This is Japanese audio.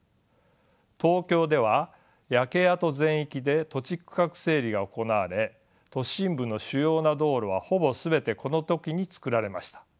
東京では焼け跡全域で土地区画整理が行われ都心部の主要な道路はほぼ全てこの時に造られました。